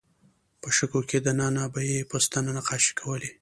په شګو کې دننه به یې په ستنه نقاشۍ کولې.